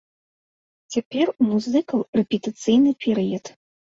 Цяпер у музыкаў рэпетыцыйны перыяд.